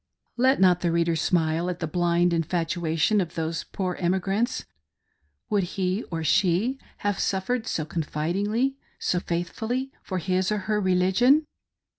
Let not the reader smile at the blind infatuation of those poor emigrants. Would he or she have suffered so confid ingly— so faithfully — for his or her religion